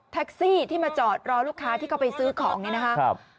แท็กซี่ที่มาจอดรอลูกค้าที่เขาไปซื้อของเนี่ยนะครับ